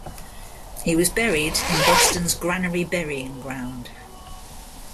He was buried in Boston's Granary Burying Ground.